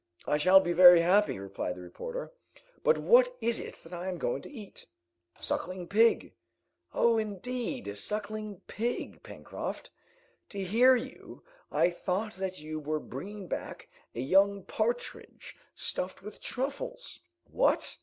"I shall be very happy," replied the reporter; "but what is it that I am going to eat?" "Suckling pig." "Oh, indeed, suckling pig, Pencroft? To hear you, I thought that you were bringing back a young partridge stuffed with truffles!" "What?"